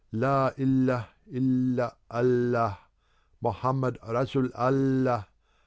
La ilah illa Allah: Mohammed Rasul Allah.